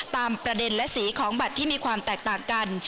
ประเด็นและสีของบัตรที่มีความแตกต่างกัน